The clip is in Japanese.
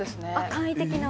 簡易的な。